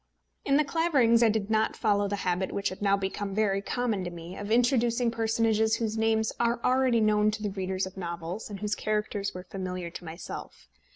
In The Claverings I did not follow the habit which had now become very common to me, of introducing personages whose names are already known to the readers of novels, and whose characters were familiar to myself.